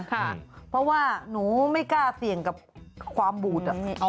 เพราะว่าหนูไม่กล้าเสี่ยงกับความบูด